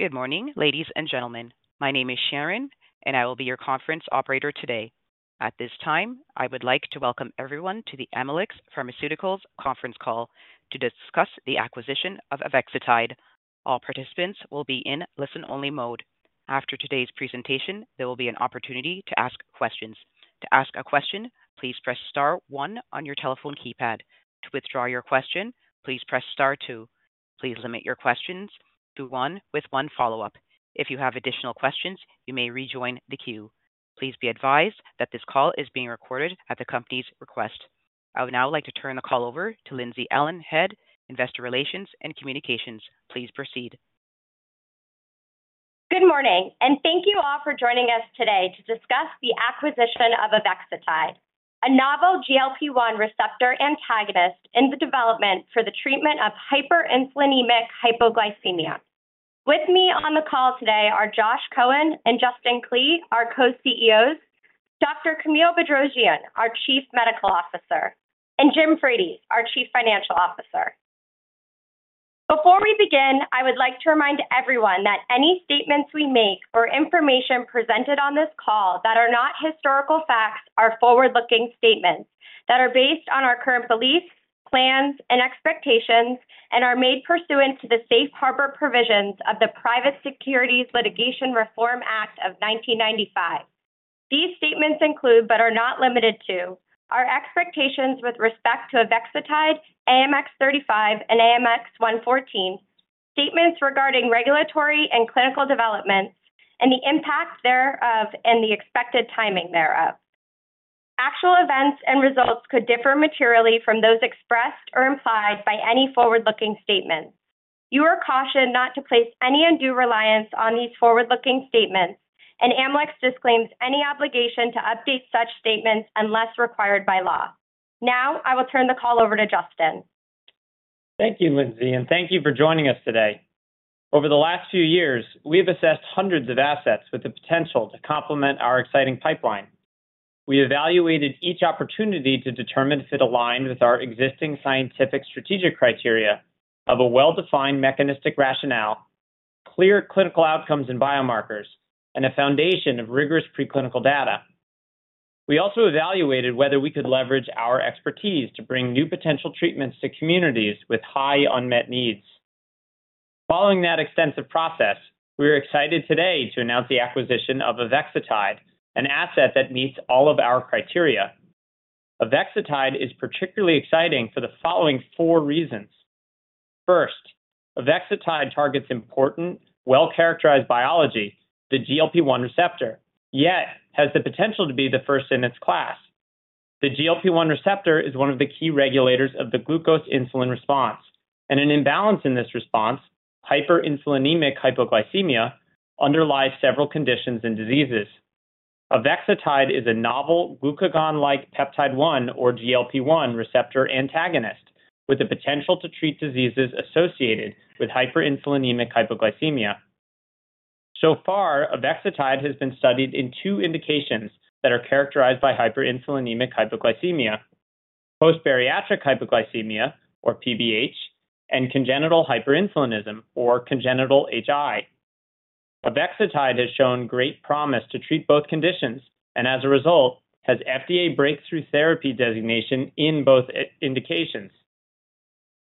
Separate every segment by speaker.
Speaker 1: Good morning, ladies and gentlemen. My name is Sharon, and I will be your conference operator today. At this time, I would like to welcome everyone to the Amylyx Pharmaceuticals Conference Call to discuss the acquisition of avexitide. All participants will be in listen-only mode. After today's presentation, there will be an opportunity to ask questions. To ask a question, please press star one on your telephone keypad. To withdraw your question, please press star two. Please limit your questions to one with one follow-up. If you have additional questions, you may rejoin the queue. Please be advised that this call is being recorded at the company's request. I would now like to turn the call over to Lindsey Allen, Head, Investor Relations and Communications. Please proceed.
Speaker 2: Good morning, and thank you all for joining us today to discuss the acquisition of avexitide, a novel GLP-1 receptor antagonist in the development for the treatment of hyperinsulinemic hypoglycemia. With me on the call today are Josh Cohen and Justin Klee, our co-CEOs, Dr. Camille Bedrosian, our Chief Medical Officer, and Jim Frates, our Chief Financial Officer. Before we begin, I would like to remind everyone that any statements we make or information presented on this call that are not historical facts are forward-looking statements that are based on our current beliefs, plans, and expectations, and are made pursuant to the safe harbor provisions of the Private Securities Litigation Reform Act of 1995. These statements include, but are not limited to, our expectations with respect to avexitide, AMX0035 and AMX0114, statements regarding regulatory and clinical developments, and the impact thereof and the expected timing thereof. Actual events and results could differ materially from those expressed or implied by any forward-looking statements. You are cautioned not to place any undue reliance on these forward-looking statements, and Amylyx disclaims any obligation to update such statements unless required by law. Now, I will turn the call over to Justin.
Speaker 3: Thank you, Lindsey, and thank you for joining us today. Over the last few years, we have assessed hundreds of assets with the potential to complement our exciting pipeline. We evaluated each opportunity to determine if it aligned with our existing scientific strategic criteria of a well-defined mechanistic rationale, clear clinical outcomes and biomarkers, and a foundation of rigorous preclinical data. We also evaluated whether we could leverage our expertise to bring new potential treatments to communities with high unmet needs. Following that extensive process, we are excited today to announce the acquisition of avexitide, an asset that meets all of our criteria. Avexitide is particularly exciting for the following four reasons. First, avexitide targets important, well-characterized biology, the GLP-1 receptor, yet has the potential to be the first in its class. The GLP-1 receptor is one of the key regulators of the glucose-insulin response, and an imbalance in this response, hyperinsulinemic hypoglycemia, underlies several conditions and diseases. Avexitide is a novel glucagon-like peptide-1, or GLP-1, receptor antagonist with the potential to treat diseases associated with hyperinsulinemic hypoglycemia. So far, avexitide has been studied in two indications that are characterized by hyperinsulinemic hypoglycemia: post-bariatric hypoglycemia, or PBH, and congenital hyperinsulinism, or congenital HI. Avexitide has shown great promise to treat both conditions and, as a result, has FDA breakthrough therapy designation in both indications.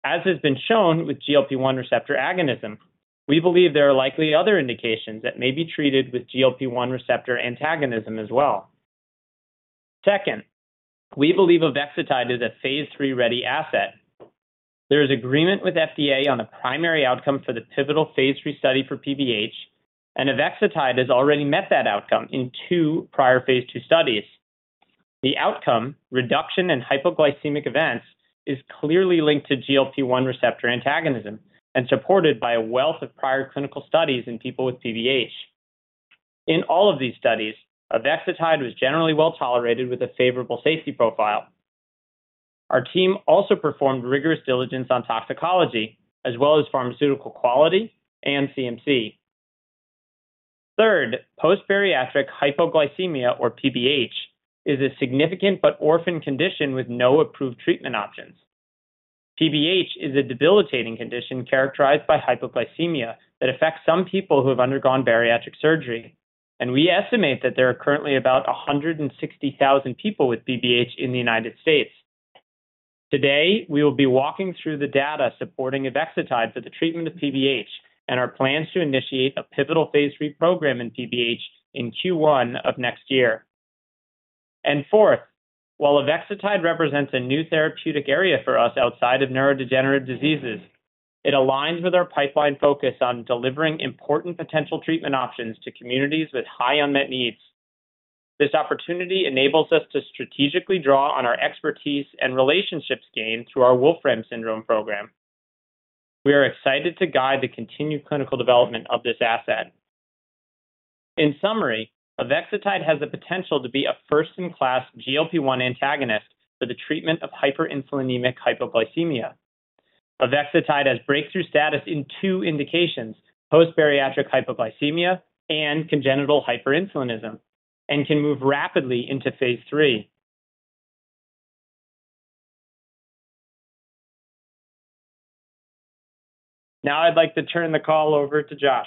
Speaker 3: As has been shown with GLP-1 receptor agonism, we believe there are likely other indications that may be treated with GLP-1 receptor antagonism as well. Second, we believe avexitide is a phase III ready asset. There is agreement with FDA on a primary outcome for the pivotal phase III study for PBH, and avexitide has already met that outcome in 2 prior phase II studies. The outcome, reduction in hypoglycemic events, is clearly linked to GLP-1 receptor antagonism and supported by a wealth of prior clinical studies in people with PBH. In all of these studies, avexitide was generally well tolerated with a favorable safety profile. Our team also performed rigorous diligence on toxicology, as well as pharmaceutical quality and CMC. Third, post-bariatric hypoglycemia, or PBH, is a significant but orphaned condition with no approved treatment options. PBH is a debilitating condition characterized by hypoglycemia that affects some people who have undergone bariatric surgery, and we estimate that there are currently about 160,000 people with PBH in the United States. Today, we will be walking through the data supporting avexitide for the treatment of PBH and our plans to initiate a pivotal phase III program in PBH in Q1 of next year. And fourth, while avexitide represents a new therapeutic area for us outside of neurodegenerative diseases, it aligns with our pipeline focus on delivering important potential treatment options to communities with high unmet needs. This opportunity enables us to strategically draw on our expertise and relationships gained through our Wolfram Syndrome program. We are excited to guide the continued clinical development of this asset. In summary, avexitide has the potential to be a first-in-class GLP-1 antagonist for the treatment of hyperinsulinemic hypoglycemia. Avexitide has breakthrough status in two indications: post-bariatric hypoglycemia and congenital hyperinsulinism, and can move rapidly into phase III. Now, I'd like to turn the call over to Josh.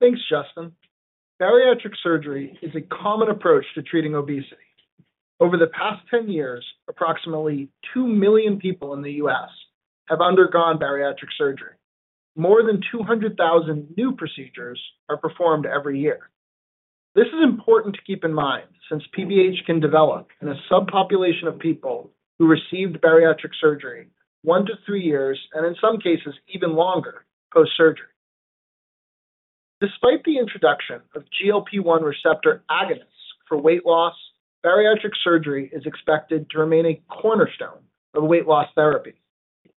Speaker 4: Thanks, Justin. Bariatric surgery is a common approach to treating obesity. Over the past 10 years, approximately 2 million people in the U.S. have undergone bariatric surgery. More than 200,000 new procedures are performed every year. This is important to keep in mind since PBH can develop in a subpopulation of people who received bariatric surgery 1-3 years and, in some cases, even longer post-surgery. Despite the introduction of GLP-1 receptor agonists for weight loss, bariatric surgery is expected to remain a cornerstone of weight loss therapy.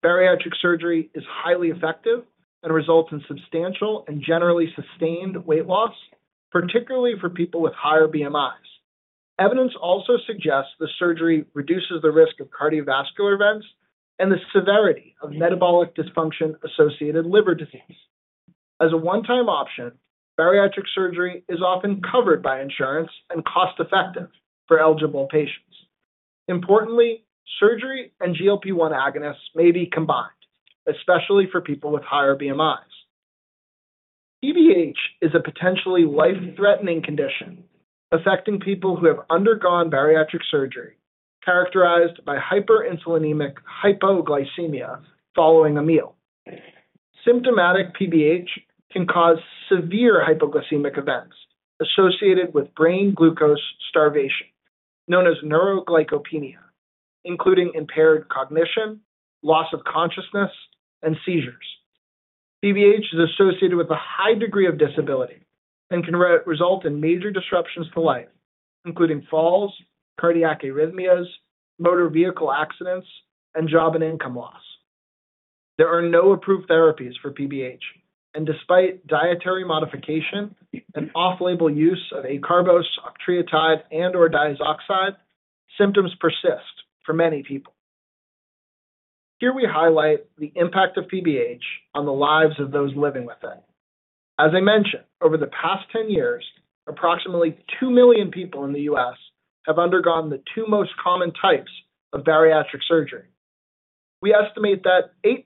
Speaker 4: Bariatric surgery is highly effective and results in substantial and generally sustained weight loss, particularly for people with higher BMIs. Evidence also suggests the surgery reduces the risk of cardiovascular events and the severity of metabolic dysfunction-associated liver disease. As a one-time option, bariatric surgery is often covered by insurance and cost-effective for eligible patients. Importantly, surgery and GLP-1 agonists may be combined, especially for people with higher BMIs. PBH is a potentially life-threatening condition affecting people who have undergone bariatric surgery characterized by hyperinsulinemic hypoglycemia following a meal. Symptomatic PBH can cause severe hypoglycemic events associated with brain glucose starvation, known as neuroglycopenia, including impaired cognition, loss of consciousness, and seizures. PBH is associated with a high degree of disability and can result in major disruptions to life, including falls, cardiac arrhythmias, motor vehicle accidents, and job and income loss. There are no approved therapies for PBH, and despite dietary modification and off-label use of acarbose, octreotide, and/or diazoxide, symptoms persist for many people. Here we highlight the impact of PBH on the lives of those living with it. As I mentioned, over the past 10 years, approximately two million people in the U.S. have undergone the two most common types of bariatric surgery. We estimate that 8%,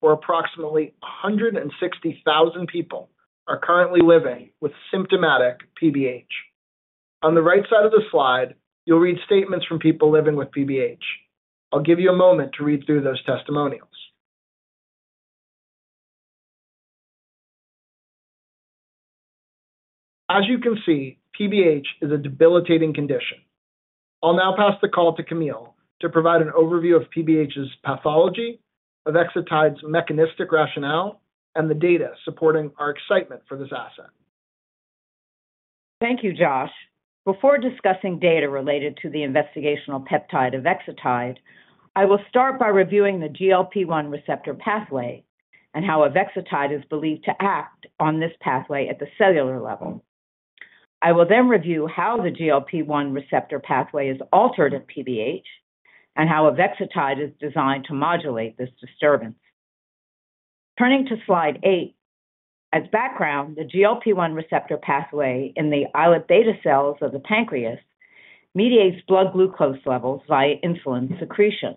Speaker 4: or approximately 160,000 people, are currently living with symptomatic PBH. On the right side of the slide, you'll read statements from people living with PBH. I'll give you a moment to read through those testimonials. As you can see, PBH is a debilitating condition. I'll now pass the call to Camille to provide an overview of PBH's pathology, avexitide's mechanistic rationale, and the data supporting our excitement for this asset.
Speaker 5: Thank you, Josh. Before discussing data related to the investigational peptide avexitide, I will start by reviewing the GLP-1 receptor pathway and how avexitide is believed to act on this pathway at the cellular level. I will then review how the GLP-1 receptor pathway is altered in PBH and how avexitide is designed to modulate this disturbance. Turning to slide eight, as background, the GLP-1 receptor pathway in the islet beta cells of the pancreas mediates blood glucose levels via insulin secretion.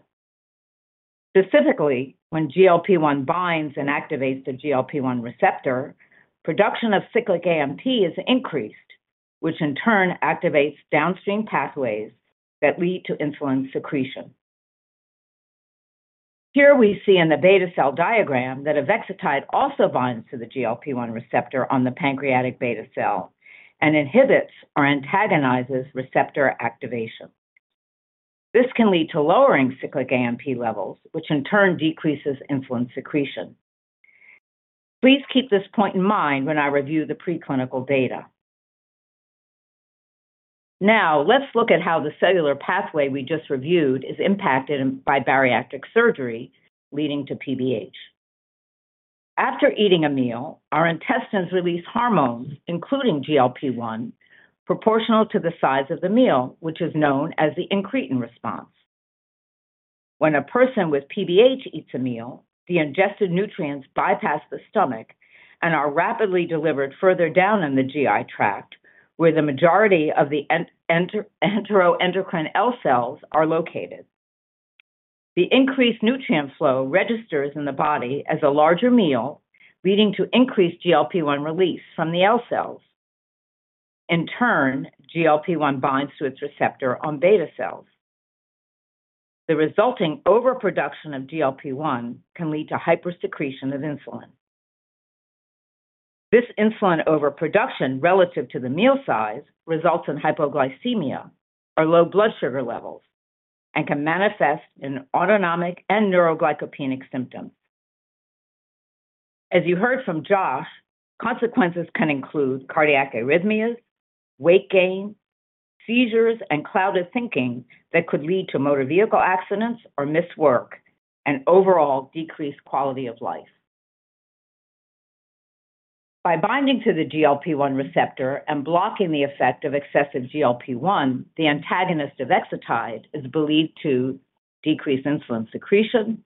Speaker 5: Specifically, when GLP-1 binds and activates the GLP-1 receptor, production of cyclic AMP is increased, which in turn activates downstream pathways that lead to insulin secretion. Here we see in the beta cell diagram that avexitide also binds to the GLP-1 receptor on the pancreatic beta cell and inhibits or antagonizes receptor activation. This can lead to lowering cyclic AMP levels, which in turn decreases insulin secretion. Please keep this point in mind when I review the preclinical data. Now, let's look at how the cellular pathway we just reviewed is impacted by bariatric surgery leading to PBH. After eating a meal, our intestines release hormones, including GLP-1, proportional to the size of the meal, which is known as the incretin response. When a person with PBH eats a meal, the ingested nutrients bypass the stomach and are rapidly delivered further down in the GI tract, where the majority of the enteroendocrine L cells are located. The increased nutrient flow registers in the body as a larger meal, leading to increased GLP-1 release from the L cells. In turn, GLP-1 binds to its receptor on beta cells. The resulting overproduction of GLP-1 can lead to hypersecretion of insulin. This insulin overproduction relative to the meal size results in hypoglycemia, or low blood sugar levels, and can manifest in autonomic and neuroglycopenic symptoms. As you heard from Josh, consequences can include cardiac arrhythmias, weight gain, seizures, and clouded thinking that could lead to motor vehicle accidents or missed work and overall decreased quality of life. By binding to the GLP-1 receptor and blocking the effect of excessive GLP-1, the antagonist avexitide is believed to decrease insulin secretion,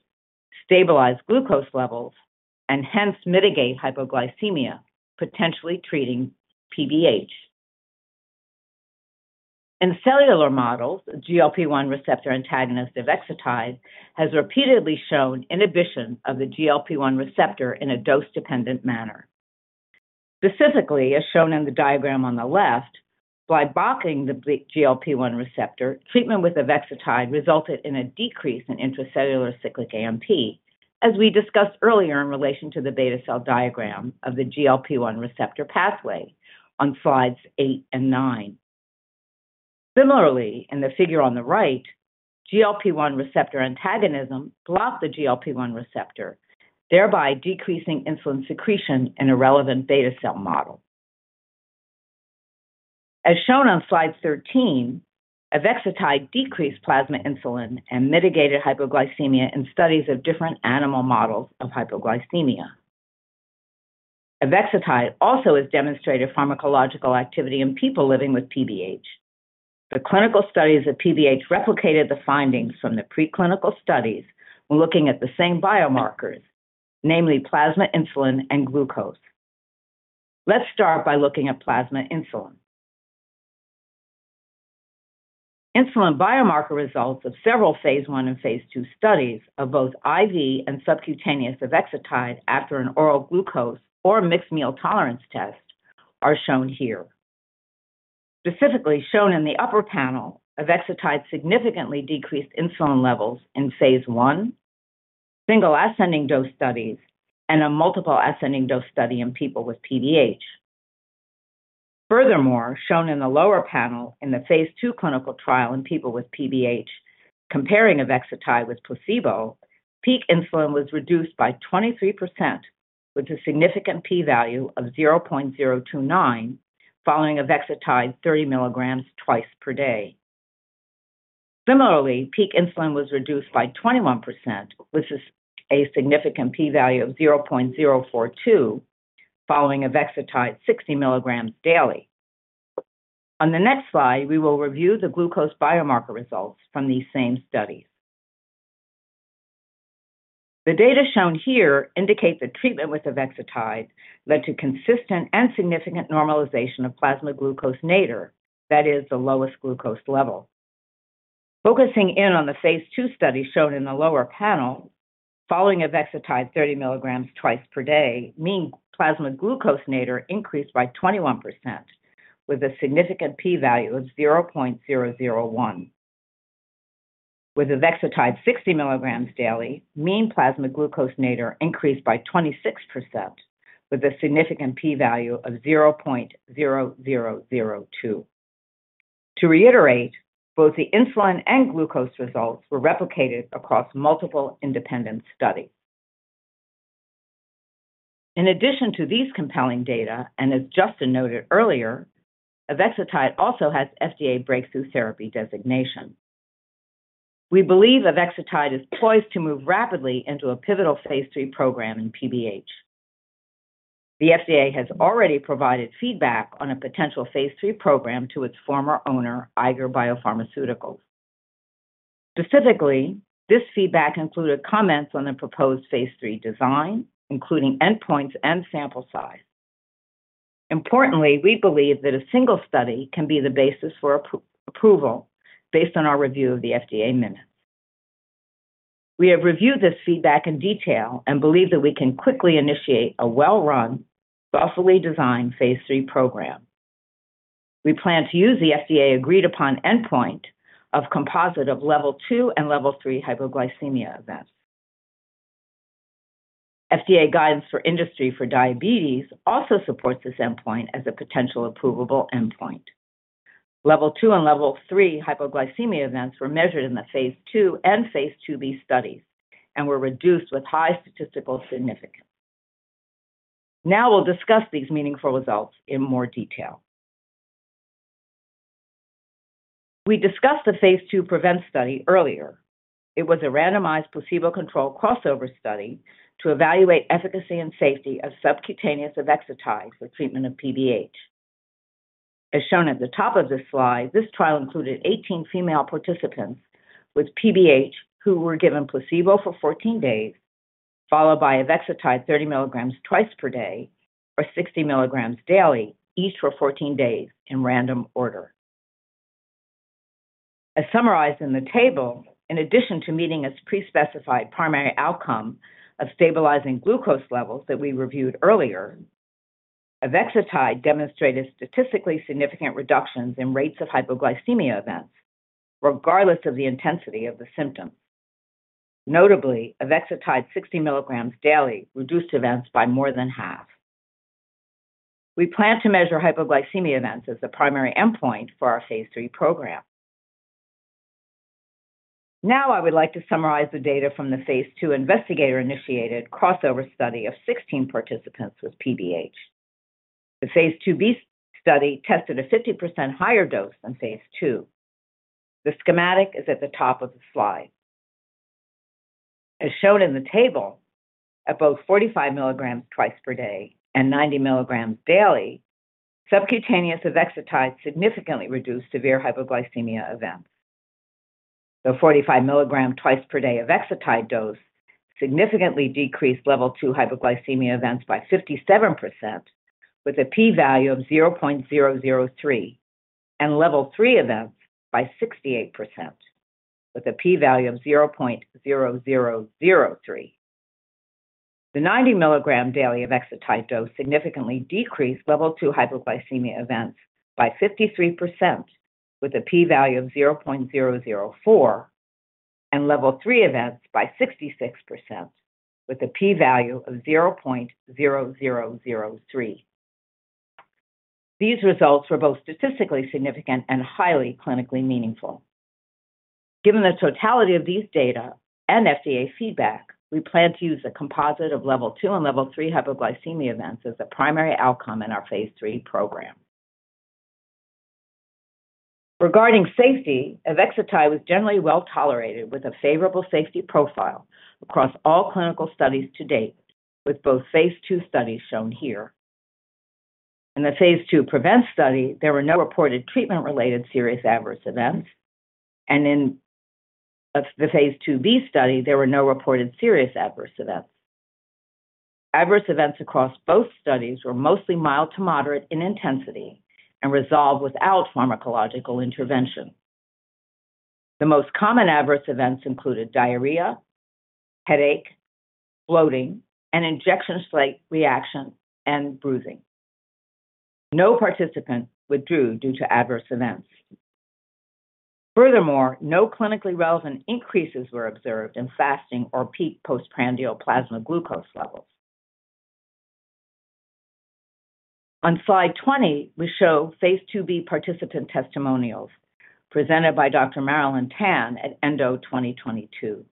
Speaker 5: stabilize glucose levels, and hence mitigate hypoglycemia, potentially treating PBH. In cellular models, GLP-1 receptor antagonist avexitide has repeatedly shown inhibition of the GLP-1 receptor in a dose-dependent manner. Specifically, as shown in the diagram on the left, by blocking the GLP-1 receptor, treatment with avexitide resulted in a decrease in intracellular cyclic AMP, as we discussed earlier in relation to the beta cell diagram of the GLP-1 receptor pathway on slides eight and nine. Similarly, in the figure on the right, GLP-1 receptor antagonism blocked the GLP-1 receptor, thereby decreasing insulin secretion in a relevant beta cell model. As shown on slide 13, avexitide decreased plasma insulin and mitigated hypoglycemia in studies of different animal models of hypoglycemia. Avexitide also has demonstrated pharmacological activity in people living with PBH. The clinical studies of PBH replicated the findings from the preclinical studies when looking at the same biomarkers, namely plasma insulin and glucose. Let's start by looking at plasma insulin. Insulin biomarker results of several phase I and phase II studies of both IV and subcutaneous avexitide after an oral glucose or mixed meal tolerance test are shown here. Specifically shown in the upper panel, avexitide significantly decreased insulin levels in phase I, single ascending dose studies, and a multiple ascending dose study in people with PBH. Furthermore, shown in the lower panel in the phase II clinical trial in people with PBH, comparing avexitide with placebo, peak insulin was reduced by 23%, with a significant p-value of 0.029, following avexitide 30 milligrams twice per day. Similarly, peak insulin was reduced by 21%, with a significant p-value of 0.042, following avexitide 60 milligrams daily. On the next slide, we will review the glucose biomarker results from these same studies. The data shown here indicate that treatment with avexitide led to consistent and significant normalization of plasma glucose nadir, that is, the lowest glucose level. Focusing in on the phase II study shown in the lower panel, following avexitide 30 milligrams twice per day, mean plasma glucose nadir increased by 21%, with a significant p-value of 0.001. With avexitide 60 milligrams daily, mean plasma glucose nadir increased by 26%, with a significant p-value of 0.0002. To reiterate, both the insulin and glucose results were replicated across multiple independent studies. In addition to these compelling data, and as Justin noted earlier, avexitide also has FDA breakthrough therapy designation. We believe avexitide is poised to move rapidly into a pivotal phase III program in PBH. The FDA has already provided feedback on a potential phase III program to its former owner, Eiger BioPharmaceuticals. Specifically, this feedback included comments on the proposed phase III design, including endpoints and sample size. Importantly, we believe that a single study can be the basis for approval based on our review of the FDA minutes. We have reviewed this feedback in detail and believe that we can quickly initiate a well-run, thoughtfully designed phase III program. We plan to use the FDA agreed-upon endpoint of composite of level 2 and level 3 hypoglycemia events. FDA guidance for industry for diabetes also supports this endpoint as a potential approvable endpoint. Level 2 and level 3 hypoglycemia events were measured in the phase II and phase IIB studies and were reduced with high statistical significance. Now we'll discuss these meaningful results in more detail. We discussed the phase II PREVENT study earlier. It was a randomized placebo-controlled crossover study to evaluate efficacy and safety of subcutaneous avexitide for treatment of PBH. As shown at the top of this slide, this trial included 18 female participants with PBH who were given placebo for 14 days, followed by avexitide 30 milligrams twice per day or 60 milligrams daily, each for 14 days in random order. As summarized in the table, in addition to meeting its pre-specified primary outcome of stabilizing glucose levels that we reviewed earlier, avexitide demonstrated statistically significant reductions in rates of hypoglycemia events, regardless of the intensity of the symptoms. Notably, avexitide 60 milligrams daily reduced events by more than half. We plan to measure hypoglycemia events as the primary endpoint for our phase III program. Now I would like to summarize the data from the phase II investigator-initiated crossover study of 16 participants with PBH. The phase IIb study tested a 50% higher dose than phase II. The schematic is at the top of the slide. As shown in the table, at both 45 milligrams twice per day and 90 milligrams daily, subcutaneous avexitide significantly reduced severe hypoglycemia events. The 45 milligram twice per day avexitide dose significantly decreased level 2 hypoglycemia events by 57%, with a p-value of 0.003, and level 3 events by 68%, with a p-value of 0.0003. The 90 milligram daily avexitide dose significantly decreased level 2 hypoglycemia events by 53%, with a p-value of 0.004, and level 3 events by 66%, with a p-value of 0.0003. These results were both statistically significant and highly clinically meaningful. Given the totality of these data and FDA feedback, we plan to use the composite of level 2 and level 3 hypoglycemia events as the primary outcome in our phase III program. Regarding safety, avexitide was generally well tolerated with a favorable safety profile across all clinical studies to date, with both phase II studies shown here. In the phase II PREVENT study, there were no reported treatment-related serious adverse events, and in the phase IIB study, there were no reported serious adverse events. Adverse events across both studies were mostly mild to moderate in intensity and resolved without pharmacological intervention. The most common adverse events included diarrhea, headache, bloating, an injection site reaction, and bruising. No participant withdrew due to adverse events. Furthermore, no clinically relevant increases were observed in fasting or peak postprandial plasma glucose levels. On slide 20, we show phase IIB participant testimonials presented by Dr. Marilyn Tan at ENDO 2022.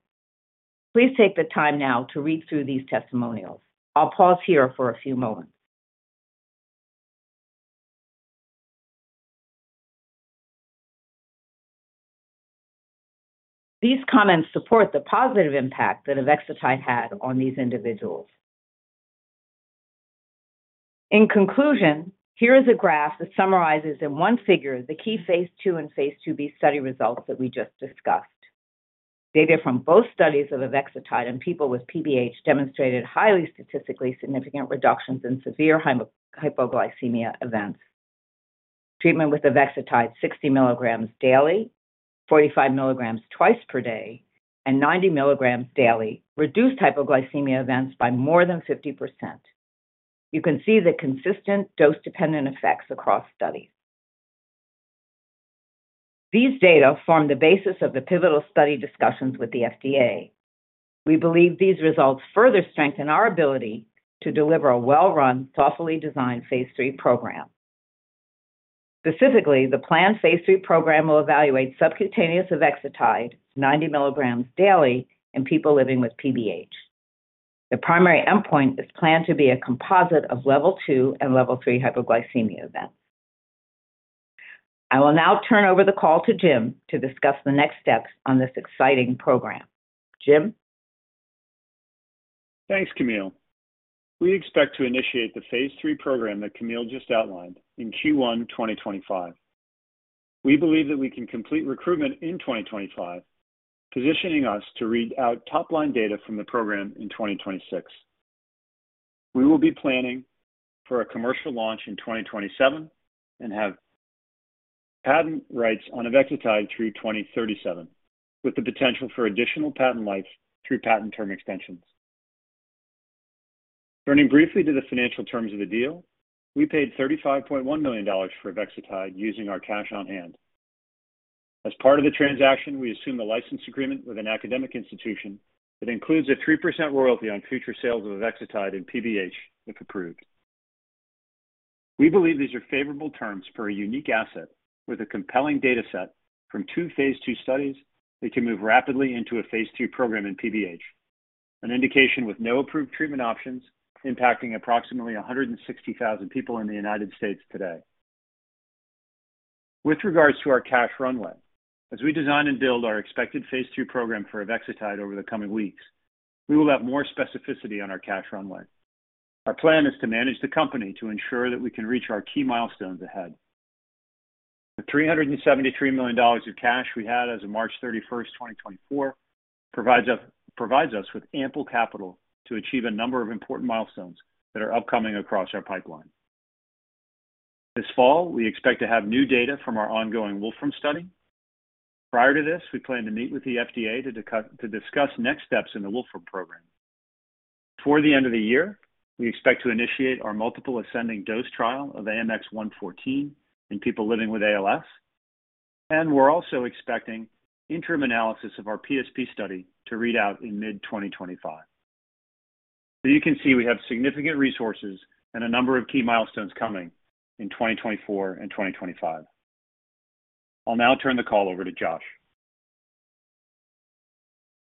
Speaker 5: Please take the time now to read through these testimonials. I'll pause here for a few moments. These comments support the positive impact that avexitide had on these individuals. In conclusion, here is a graph that summarizes in one figure the key phase II and phase IIB study results that we just discussed. Data from both studies of avexitide and people with PBH demonstrated highly statistically significant reductions in severe hypoglycemia events. Treatment with avexitide 60 milligrams daily, 45 milligrams twice per day, and 90 milligrams daily reduced hypoglycemia events by more than 50%. You can see the consistent dose-dependent effects across studies. These data form the basis of the pivotal study discussions with the FDA. We believe these results further strengthen our ability to deliver a well-run, thoughtfully designed phase III program. Specifically, the planned phase III program will evaluate subcutaneous avexitide 90 milligrams daily in people living with PBH. The primary endpoint is planned to be a composite of level two and level three hypoglycemia events. I will now turn over the call to Jim to discuss the next steps on this exciting program. Jim?
Speaker 6: Thanks, Camille. We expect to initiate the phase III program that Camille just outlined in Q1 2025. We believe that we can complete recruitment in 2025, positioning us to read out top-line data from the program in 2026. We will be planning for a commercial launch in 2027 and have patent rights on avexitide through 2037, with the potential for additional patent life through patent term extensions. Turning briefly to the financial terms of the deal, we paid $35.1 million for avexitide using our cash on hand. As part of the transaction, we assume a license agreement with an academic institution that includes a 3% royalty on future sales of avexitide and PBH if approved. We believe these are favorable terms for a unique asset with a compelling data set from two phase II studies that can move rapidly into a phase II program in PBH, an indication with no approved treatment options impacting approximately 160,000 people in the United States today. With regards to our cash runway, as we design and build our expected phase II program for avexitide over the coming weeks, we will have more specificity on our cash runway. Our plan is to manage the company to ensure that we can reach our key milestones ahead. The $373 million of cash we had as of March 31st, 2024, provides us with ample capital to achieve a number of important milestones that are upcoming across our pipeline. This fall, we expect to have new data from our ongoing Wolfram study. Prior to this, we plan to meet with the FDA to discuss next steps in the Wolfram program. Before the end of the year, we expect to initiate our multiple ascending dose trial of AMX0114 in people living with ALS, and we're also expecting interim analysis of our PSP study to read out in mid-2025. So you can see we have significant resources and a number of key milestones coming in 2024 and 2025. I'll now turn the call over to Josh.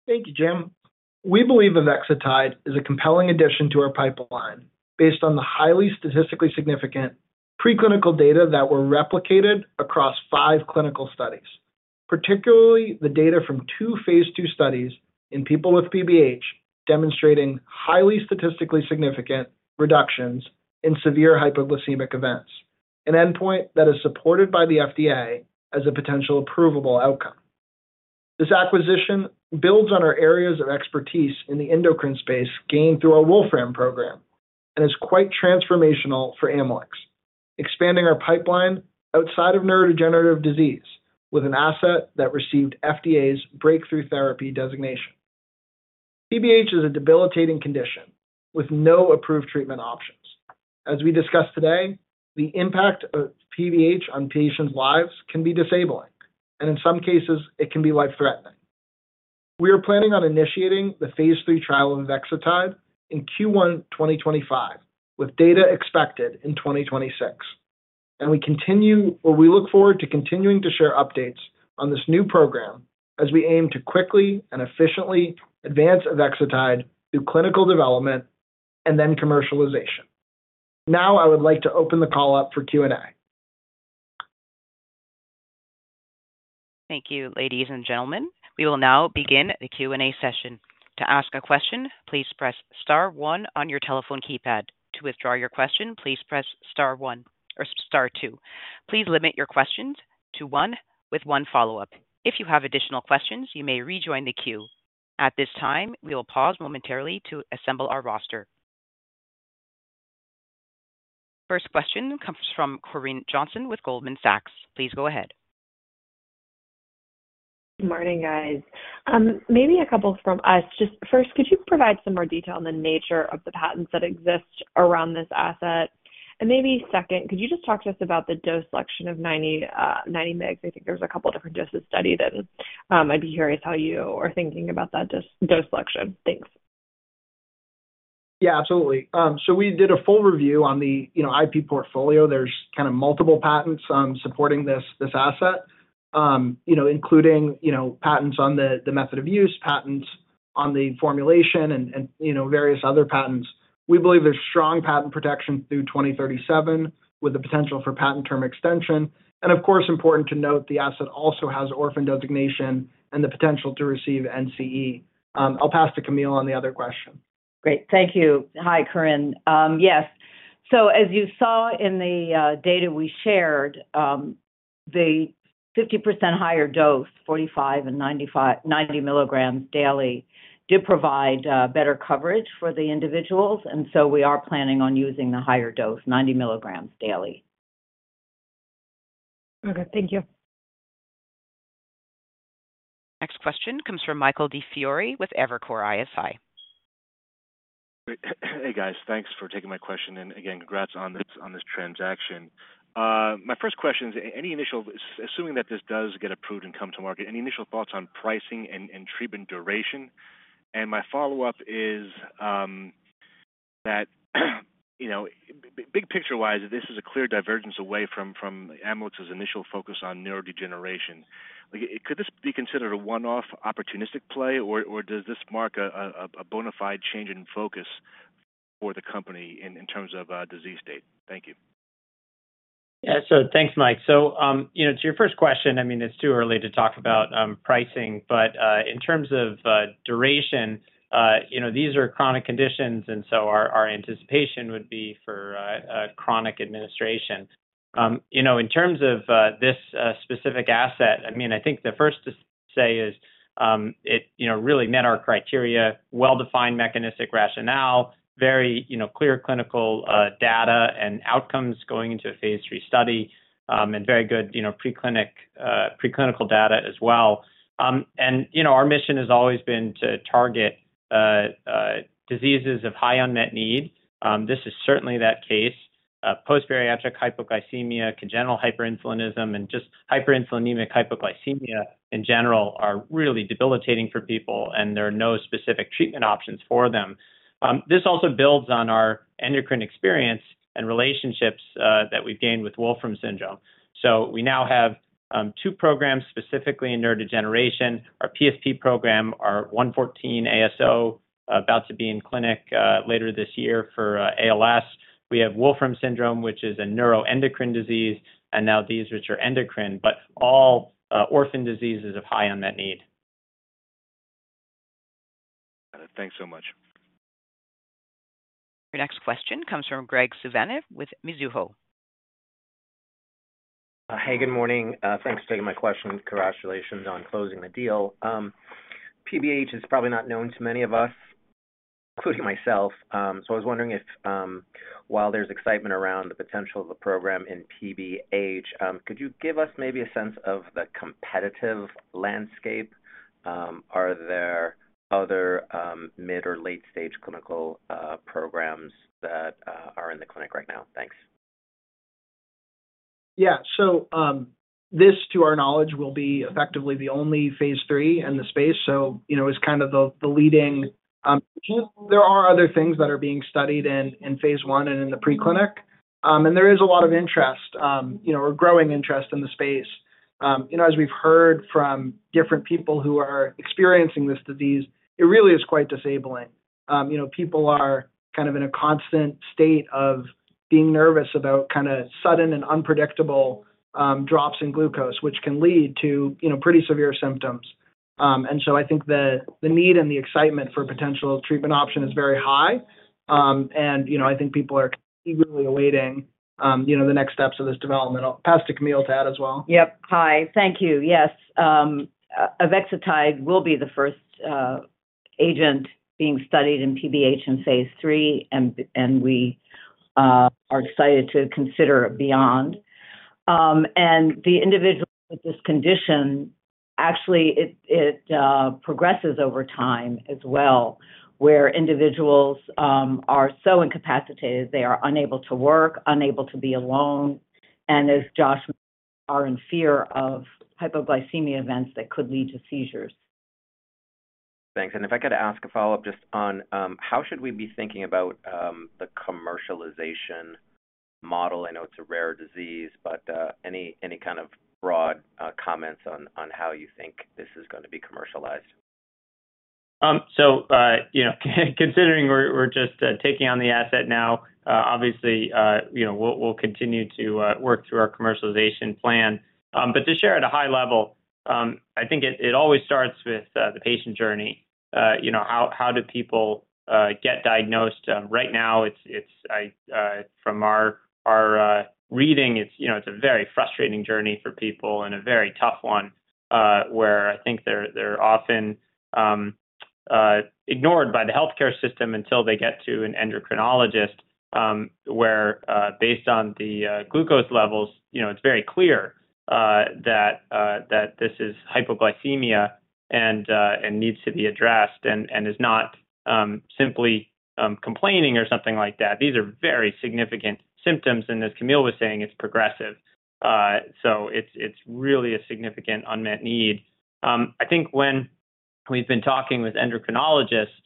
Speaker 4: Thank you, Jim. We believe avexitide is a compelling addition to our pipeline based on the highly statistically significant preclinical data that were replicated across five clinical studies, particularly the data from two phase II studies in people with PBH demonstrating highly statistically significant reductions in severe hypoglycemic events, an endpoint that is supported by the FDA as a potential approvable outcome. This acquisition builds on our areas of expertise in the endocrine space gained through our Wolfram program and is quite transformational for Amylyx, expanding our pipeline outside of neurodegenerative disease with an asset that received FDA's breakthrough therapy designation. PBH is a debilitating condition with no approved treatment options. As we discussed today, the impact of PBH on patients' lives can be disabling, and in some cases, it can be life-threatening. We are planning on initiating the phase III trial of avexitide in Q1 2025, with data expected in 2026, and we continue or we look forward to continuing to share updates on this new program as we aim to quickly and efficiently advance avexitide through clinical development and then commercialization. Now I would like to open the call up for Q&A.
Speaker 1: Thank you, ladies and gentlemen. We will now begin the Q&A session. To ask a question, please press star one on your telephone keypad. To withdraw your question, please press star one or star two. Please limit your questions to one with one follow-up. If you have additional questions, you may rejoin the queue. At this time, we will pause momentarily to assemble our roster. First question comes from Corinne Jenkins with Goldman Sachs. Please go ahead.
Speaker 7: Good morning, guys. Maybe a couple from us. Just first, could you provide some more detail on the nature of the patents that exist around this asset? And maybe second, could you just talk to us about the dose selection of 90 mg? I think there was a couple of different doses studied, and I'd be curious how you are thinking about that dose selection. Thanks.
Speaker 3: Yeah, absolutely. So we did a full review on the IP portfolio. There's kind of multiple patents supporting this asset, including patents on the method of use, patents on the formulation, and various other patents. We believe there's strong patent protection through 2037 with the potential for patent term extension. And of course, important to note, the asset also has orphan designation and the potential to receive NCE. I'll pass to Camille on the other question.
Speaker 5: Great. Thank you. Hi, Corinne. Yes. So as you saw in the data we shared, the 50% higher dose, 45 mg and 90 mg daily, did provide better coverage for the individuals, and so we are planning on using the higher dose, 90 mg daily.
Speaker 7: Okay. Thank you.
Speaker 1: Next question comes from Michael DiFiore with Evercore ISI.
Speaker 8: Hey, guys. Thanks for taking my question. And again, congrats on this transaction. My first question is, assuming that this does get approved and come to market, any initial thoughts on pricing and treatment duration? And my follow-up is that big picture-wise, this is a clear divergence away from Amylyx's initial focus on neurodegeneration. Could this be considered a one-off opportunistic play, or does this mark a bona fide change in focus for the company in terms of disease state? Thank you.
Speaker 3: Yeah. So thanks, Mike. So to your first question, I mean, it's too early to talk about pricing, but in terms of duration, these are chronic conditions, and so our anticipation would be for chronic administration. In terms of this specific asset, I mean, I think the first to say is it really met our criteria: well-defined mechanistic rationale, very clear clinical data and outcomes going into a phase III study, and very good preclinical data as well. Our mission has always been to target diseases of high unmet need. This is certainly that case. Post-bariatric hypoglycemia, congenital hyperinsulinism, and just hyperinsulinemic hypoglycemia in general are really debilitating for people, and there are no specific treatment options for them. This also builds on our endocrine experience and relationships that we've gained with Wolfram syndrome. So we now have two programs specifically in neurodegeneration: our PSP program, our AMX0114 ASO, about to be in clinic later this year for ALS. We have Wolfram syndrome, which is a neuroendocrine disease, and now these which are endocrine, but all orphan diseases of high unmet need.
Speaker 8: Got it. Thanks so much.
Speaker 1: Our next question comes from Graig Suvannavejh with Mizuho.
Speaker 9: Hey, good morning. Thanks for taking my question. Congratulations on closing the deal. PBH is probably not known to many of us, including myself, so I was wondering if, while there's excitement around the potential of the program in PBH, could you give us maybe a sense of the competitive landscape? Are there other mid or late-stage clinical programs that are in the clinic right now? Thanks.
Speaker 6: Yeah. So this, to our knowledge, will be effectively the only phase III in the space. So it's kind of the leading. There are other things that are being studied in phase I and in the preclinical, and there is a lot of interest or growing interest in the space. As we've heard from different people who are experiencing this disease, it really is quite disabling. People are kind of in a constant state of being nervous about kind of sudden and unpredictable drops in glucose, which can lead to pretty severe symptoms. And so I think the need and the excitement for potential treatment option is very high, and I think people are eagerly awaiting the next steps of this development. Pass to Camille to add as well.
Speaker 5: Yep. Hi. Thank you. Yes. Avexitide will be the first agent being studied in PBH in phase III, and we are excited to consider it beyond. The individuals with this condition, actually, it progresses over time as well, where individuals are so incapacitated, they are unable to work, unable to be alone, and as Josh mentioned, are in fear of hypoglycemia events that could lead to seizures.
Speaker 9: Thanks. And if I could ask a follow-up just on how should we be thinking about the commercialization model? I know it's a rare disease, but any kind of broad comments on how you think this is going to be commercialized?
Speaker 3: So considering we're just taking on the asset now, obviously, we'll continue to work through our commercialization plan. But to share at a high level, I think it always starts with the patient journey. How do people get diagnosed? Right now, from our reading, it's a very frustrating journey for people and a very tough one where I think they're often ignored by the healthcare system until they get to an endocrinologist where, based on the glucose levels, it's very clear that this is hypoglycemia and needs to be addressed and is not simply complaining or something like that. These are very significant symptoms, and as Camille was saying, it's progressive. So it's really a significant unmet need. I think when we've been talking with endocrinologists,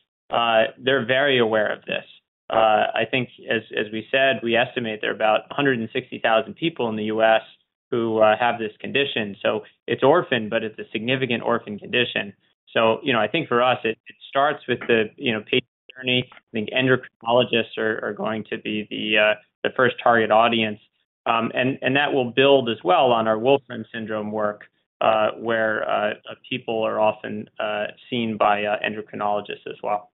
Speaker 3: they're very aware of this. I think, as we said, we estimate there are about 160,000 people in the U.S. who have this condition. So it's an orphan, but it's a significant orphan condition. So I think for us, it starts with the patient journey. I think endocrinologists are going to be the first target audience, and that will build as well on our Wolfram syndrome work where people are often seen by endocrinologists as well.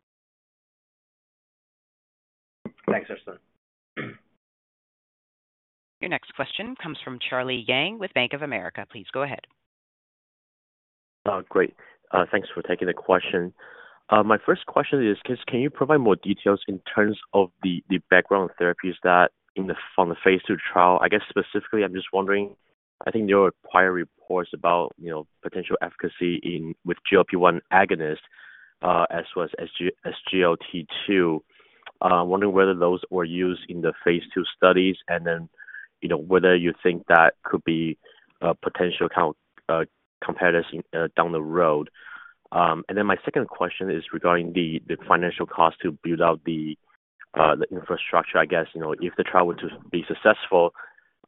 Speaker 9: Thanks, Justin.
Speaker 1: Your next question comes from Charlie Yang with Bank of America. Please go ahead.
Speaker 10: Great. Thanks for taking the question. My first question is, can you provide more details in terms of the background therapies that in the phase II trial? I guess specifically, I'm just wondering, I think there were prior reports about potential efficacy with GLP-1 agonists as well as SGLT2. I'm wondering whether those were used in the phase II studies and then whether you think that could be potential kind of competitors down the road. And then my second question is regarding the financial cost to build out the infrastructure, I guess, if the trial were to be successful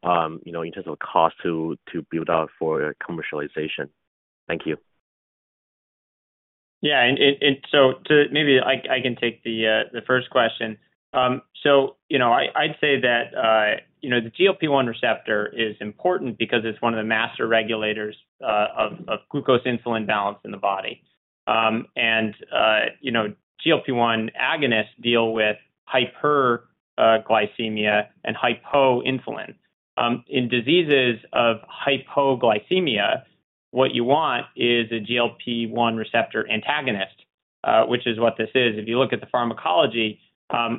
Speaker 10: in terms of cost to build out for commercialization. Thank you.
Speaker 3: Yeah. And so maybe I can take the first question. So I'd say that the GLP-1 receptor is important because it's one of the master regulators of glucose-insulin balance in the body. And GLP-1 agonists deal with hyperglycemia and hypoinsulin. In diseases of hypoglycemia, what you want is a GLP-1 receptor antagonist, which is what this is. If you look at the pharmacology,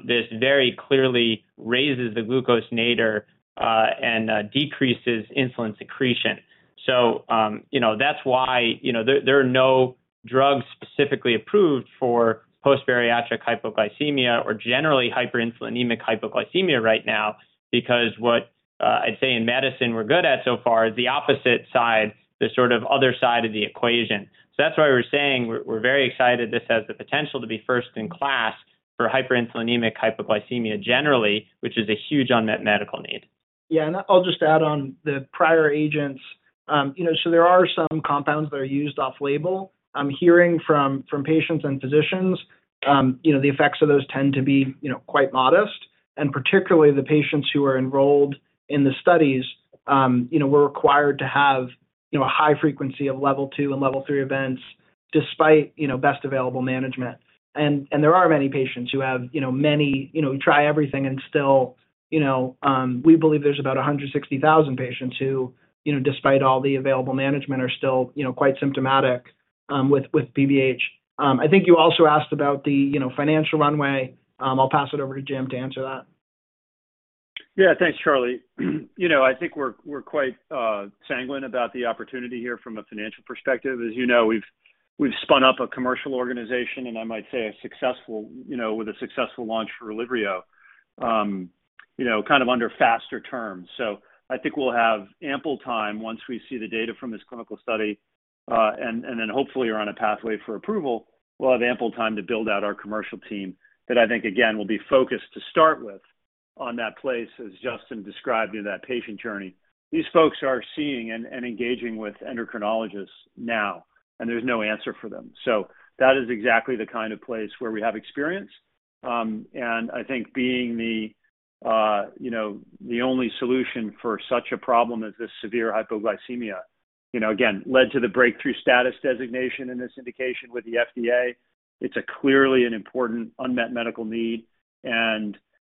Speaker 3: this very clearly raises the glucose nadir and decreases insulin secretion. So that's why there are no drugs specifically approved for post-bariatric hypoglycemia or generally hyperinsulinemic hypoglycemia right now because what I'd say in medicine we're good at so far is the opposite side, the sort of other side of the equation. So that's why we're saying we're very excited this has the potential to be first in class for hyperinsulinemic hypoglycemia generally, which is a huge unmet medical need.
Speaker 4: Yeah. And I'll just add on the prior agents. So there are some compounds that are used off-label. I'm hearing from patients and physicians the effects of those tend to be quite modest. And particularly, the patients who are enrolled in the studies were required to have a high frequency of level two and level three events despite best available management. And there are many patients who have many who try everything and still we believe there's about 160,000 patients who, despite all the available management, are still quite symptomatic with PBH. I think you also asked about the financial runway. I'll pass it over to Jim to answer that.
Speaker 6: Yeah. Thanks, Charlie. I think we're quite sanguine about the opportunity here from a financial perspective. As you know, we've spun up a commercial organization, and I might say a successful with a successful launch for RELYVRIO, kind of under faster terms. So I think we'll have ample time once we see the data from this clinical study, and then hopefully we're on a pathway for approval. We'll have ample time to build out our commercial team that I think, again, will be focused to start with on that place, as Justin described in that patient journey. These folks are seeing and engaging with endocrinologists now, and there's no answer for them. So that is exactly the kind of place where we have experience. I think being the only solution for such a problem as this severe hypoglycemia, again, led to the breakthrough therapy designation in this indication with the FDA. It's clearly an important unmet medical need.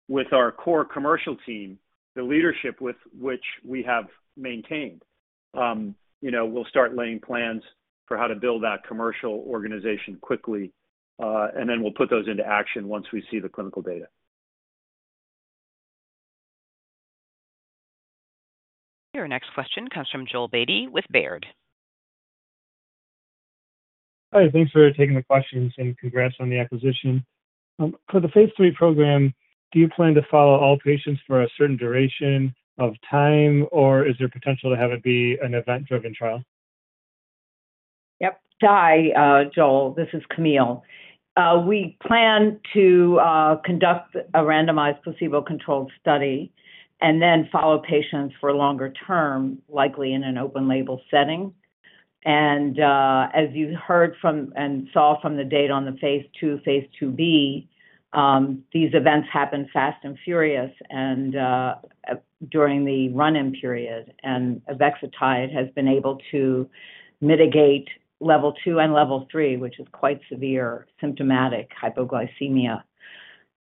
Speaker 6: With our core commercial team, the leadership with which we have maintained, we'll start laying plans for how to build that commercial organization quickly, and then we'll put those into action once we see the clinical data.
Speaker 1: Your next question comes from Joel Beatty with Baird.
Speaker 11: Hi. Thanks for taking the questions and congrats on the acquisition. For the phase III program, do you plan to follow all patients for a certain duration of time, or is there potential to have it be an event-driven trial?
Speaker 5: Yep. Hi, Joel. This is Camille. We plan to conduct a randomized placebo-controlled study and then follow patients for longer term, likely in an open-label setting. As you heard from and saw from the data on the phase II, phase IIB, these events happen fast and furious during the run-in period. Avexitide has been able to mitigate level 2 and level 3, which is quite severe, symptomatic hypoglycemia.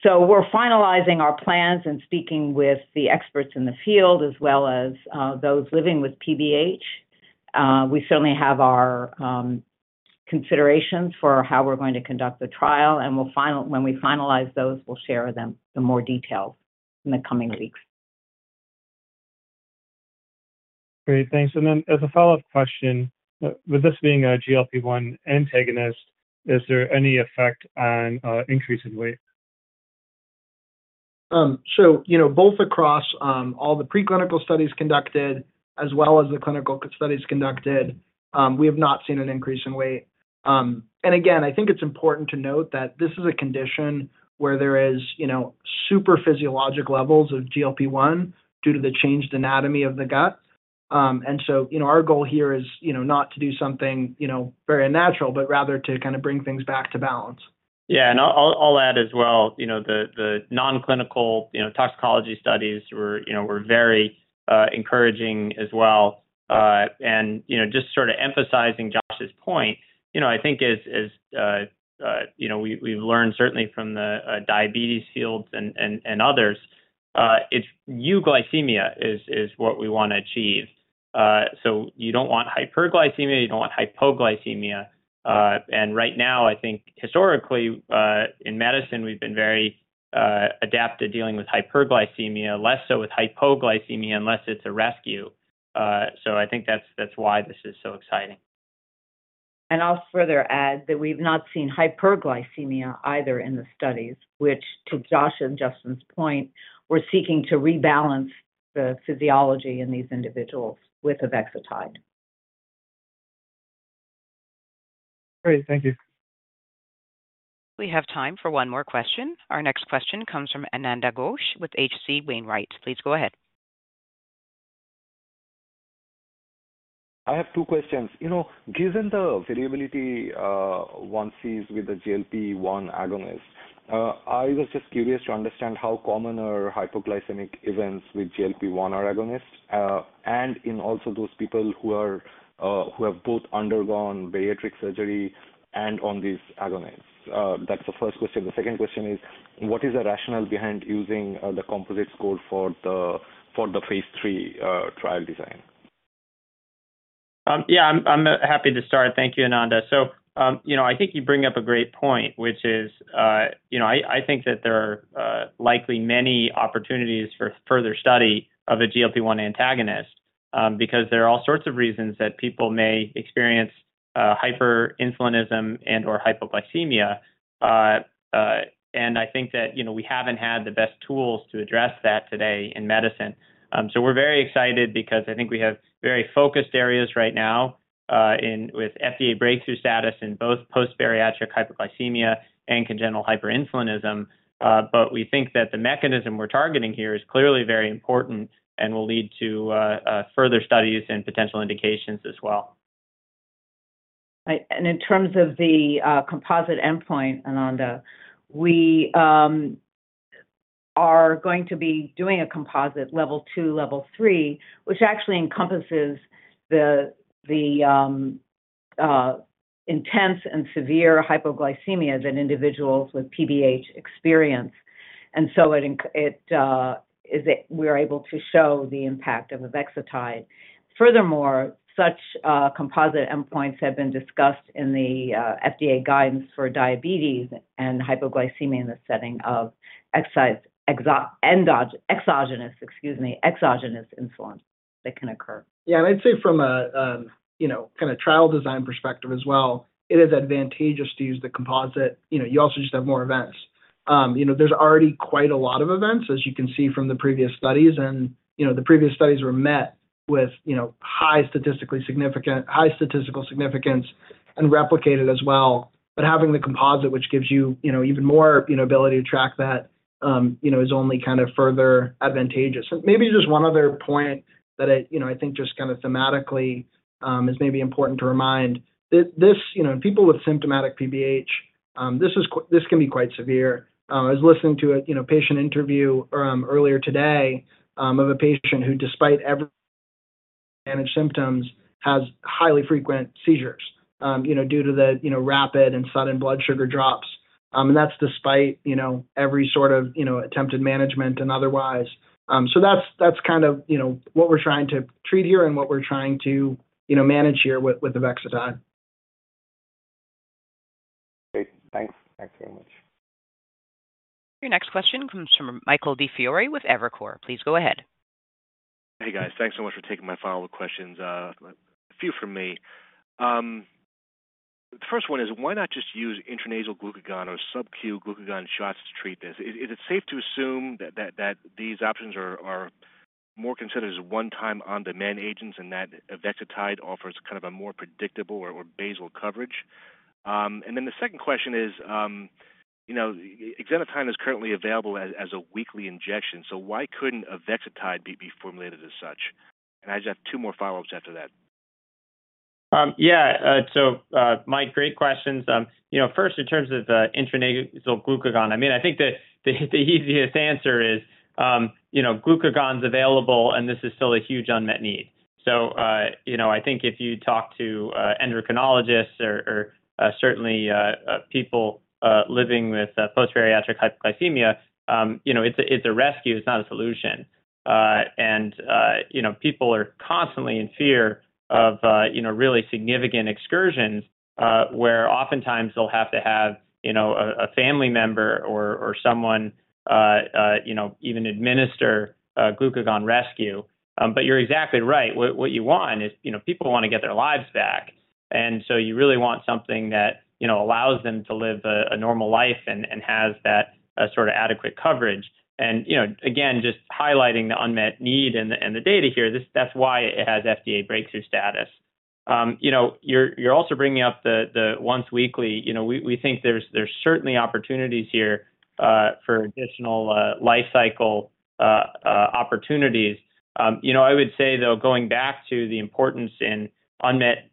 Speaker 5: So we're finalizing our plans and speaking with the experts in the field as well as those living with PBH. We certainly have our considerations for how we're going to conduct the trial. When we finalize those, we'll share them in more detail in the coming weeks.
Speaker 11: Great. Thanks. And then as a follow-up question, with this being a GLP-1 antagonist, is there any effect on increase in weight? So both across all the preclinical studies conducted as well as the clinical studies conducted, we have not seen an increase in weight. And again, I think it's important to note that this is a condition where there are supraphysiologic levels of GLP-1 due to the changed anatomy of the gut. And so our goal here is not to do something very unnatural, but rather to kind of bring things back to balance.
Speaker 3: Yeah. I'll add as well, the non-clinical toxicology studies were very encouraging as well. Just sort of emphasizing Josh's point, I think as we've learned certainly from the diabetes field and others, it's euglycemia is what we want to achieve. You don't want hyperglycemia. You don't want hypoglycemia. Right now, I think historically in medicine, we've been very adapted to dealing with hyperglycemia, less so with hypoglycemia unless it's a rescue. I think that's why this is so exciting.
Speaker 5: I'll further add that we've not seen hyperglycemia either in the studies, which to Josh and Justin's point, we're seeking to rebalance the physiology in these individuals with avexitide.
Speaker 11: Great. Thank you.
Speaker 1: We have time for one more question. Our next question comes from Ananda Ghosh with H.C. Wainwright. Please go ahead.
Speaker 12: I have two questions. Given the variability one sees with the GLP-1 agonist, I was just curious to understand how common are hypoglycemic events with GLP-1 or agonist and in also those people who have both undergone bariatric surgery and on these agonists? That's the first question. The second question is, what is the rationale behind using the composite score for the phase III trial design?
Speaker 3: Yeah. I'm happy to start. Thank you, Ananda. So I think you bring up a great point, which is I think that there are likely many opportunities for further study of a GLP-1 antagonist because there are all sorts of reasons that people may experience hyperinsulinism and/or hypoglycemia. And I think that we haven't had the best tools to address that today in medicine. So we're very excited because I think we have very focused areas right now with FDA breakthrough status in both post-bariatric hypoglycemia and congenital hyperinsulinism. But we think that the mechanism we're targeting here is clearly very important and will lead to further studies and potential indications as well.
Speaker 5: In terms of the composite endpoint, Ananda, we are going to be doing a composite level two, level three, which actually encompasses the intense and severe hypoglycemia that individuals with PBH experience. We're able to show the impact of avexitide. Furthermore, such composite endpoints have been discussed in the FDA guidance for diabetes and hypoglycemia in the setting of exogenous insulin that can occur.
Speaker 3: Yeah. And I'd say from a kind of trial design perspective as well, it is advantageous to use the composite. You also just have more events. There's already quite a lot of events, as you can see from the previous studies. And the previous studies were met with high statistical significance and replicated as well. But having the composite, which gives you even more ability to track that, is only kind of further advantageous. And maybe just one other point that I think just kind of thematically is maybe important to remind, in people with symptomatic PBH, this can be quite severe. I was listening to a patient interview earlier today of a patient who, despite every managed symptoms, has highly frequent seizures due to the rapid and sudden blood sugar drops. And that's despite every sort of attempted management and otherwise. So that's kind of what we're trying to treat here and what we're trying to manage here with avexitide.
Speaker 12: Great. Thanks. Thanks very much.
Speaker 1: Your next question comes from Michael DiFiore with Evercore. Please go ahead.
Speaker 8: Hey, guys. Thanks so much for taking my follow-up questions. A few from me. The first one is, why not just use intranasal glucagon or subcu glucagon shots to treat this? Is it safe to assume that these options are more considered as one-time on-demand agents and that avexitide offers kind of a more predictable or basal coverage? And then the second question is, exenatide is currently available as a weekly injection. So why couldn't avexitide be formulated as such? And I just have two more follow-ups after that.
Speaker 3: Yeah. So Mike, great questions. First, in terms of intranasal glucagon, I mean, I think the easiest answer is glucagon's available, and this is still a huge unmet need. So I think if you talk to endocrinologists or certainly people living with post-bariatric hypoglycemia, it's a rescue. It's not a solution. And people are constantly in fear of really significant excursions where oftentimes they'll have to have a family member or someone even administer glucagon rescue. But you're exactly right. What you want is people want to get their lives back. And so you really want something that allows them to live a normal life and has that sort of adequate coverage. And again, just highlighting the unmet need and the data here, that's why it has FDA breakthrough status. You're also bringing up the once weekly. We think there's certainly opportunities here for additional life cycle opportunities. I would say, though, going back to the importance in unmet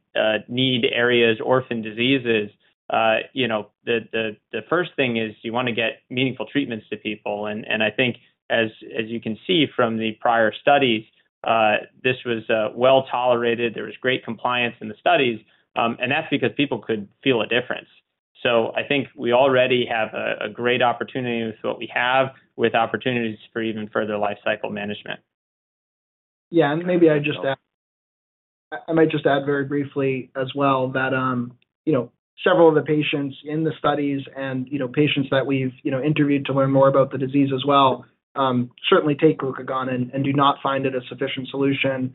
Speaker 3: need areas, orphan diseases, the first thing is you want to get meaningful treatments to people. I think, as you can see from the prior studies, this was well tolerated. There was great compliance in the studies. That's because people could feel a difference. So I think we already have a great opportunity with what we have with opportunities for even further life cycle management.
Speaker 4: Yeah. And maybe I just add, I might just add very briefly as well that several of the patients in the studies and patients that we've interviewed to learn more about the disease as well certainly take glucagon and do not find it a sufficient solution.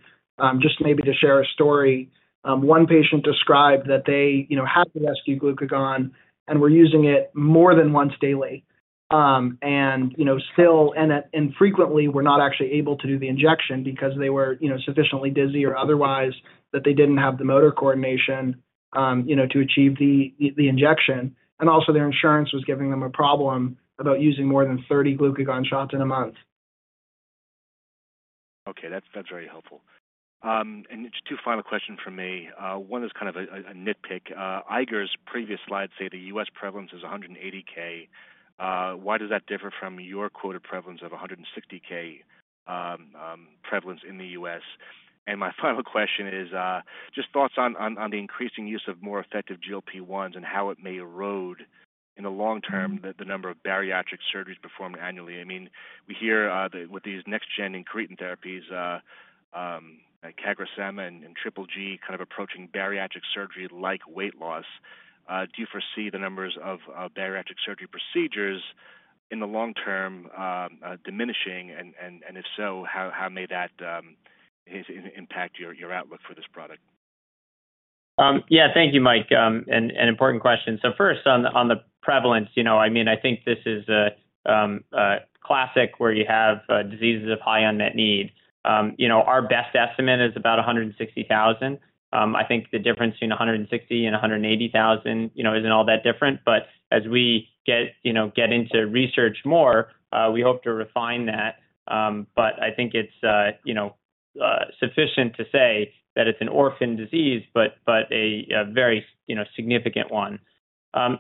Speaker 4: Just maybe to share a story, one patient described that they had to rescue glucagon and were using it more than once daily. And still, and frequently, were not actually able to do the injection because they were sufficiently dizzy or otherwise that they didn't have the motor coordination to achieve the injection. And also, their insurance was giving them a problem about using more than 30 glucagon shots in a month.
Speaker 8: Okay. That's very helpful. And just two final questions from me. One is kind of a nitpick. Eiger's previous slides say the U.S. prevalence is 180,000. Why does that differ from your quoted prevalence of 160,000 prevalence in the U.S.? And my final question is just thoughts on the increasing use of more effective GLP-1s and how it may erode in the long term the number of bariatric surgeries performed annually. I mean, we hear with these next-gen incretin therapies, CagriSema and Triple G kind of approaching bariatric surgery like weight loss. Do you foresee the numbers of bariatric surgery procedures in the long term diminishing? And if so, how may that impact your outlook for this product?
Speaker 3: Yeah. Thank you, Mike. Important question. So first, on the prevalence, I mean, I think this is a classic where you have diseases of high unmet need. Our best estimate is about 160,000. I think the difference between 160 and 180,000 isn't all that different. But as we get into research more, we hope to refine that. But I think it's sufficient to say that it's an orphan disease, but a very significant one.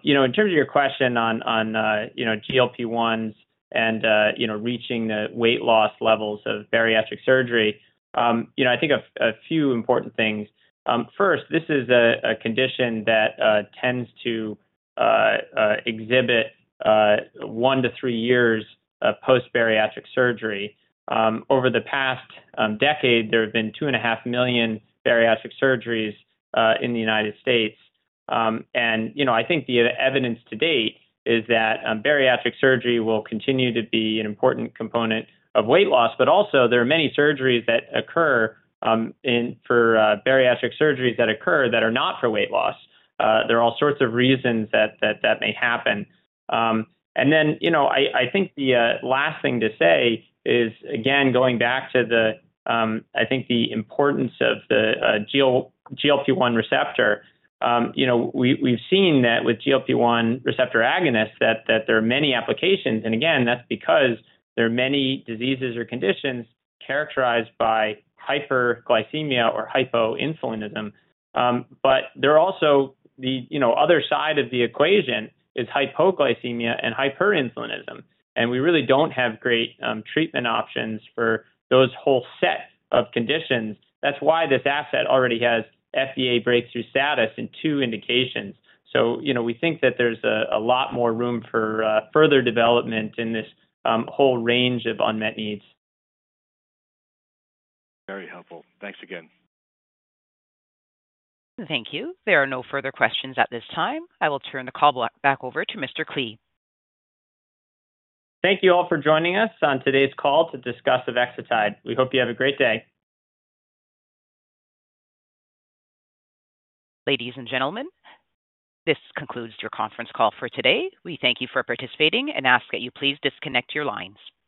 Speaker 3: In terms of your question on GLP-1s and reaching the weight loss levels of bariatric surgery, I think a few important things. First, this is a condition that tends to exhibit one to three years post-bariatric surgery. Over the past decade, there have been 2.5 million bariatric surgeries in the United States. I think the evidence to date is that bariatric surgery will continue to be an important component of weight loss. But also, there are many surgeries that occur for bariatric surgeries that occur that are not for weight loss. There are all sorts of reasons that that may happen. And then I think the last thing to say is, again, going back to I think the importance of the GLP-1 receptor, we've seen that with GLP-1 receptor agonists that there are many applications. And again, that's because there are many diseases or conditions characterized by hyperglycemia or hypoinsulinism. But there are also the other side of the equation is hypoglycemia and hyperinsulinism. And we really don't have great treatment options for those whole set of conditions. That's why this asset already has FDA breakthrough status in two indications. We think that there's a lot more room for further development in this whole range of unmet needs.
Speaker 8: Very helpful. Thanks again.
Speaker 1: Thank you. There are no further questions at this time. I will turn the call back over to Mr. Klee.
Speaker 3: Thank you all for joining us on today's call to discuss avexitide. We hope you have a great day.
Speaker 1: Ladies and gentlemen, this concludes your conference call for today. We thank you for participating and ask that you please disconnect your lines.